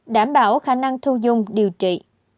đảm bảo khả năng thu dung điều trị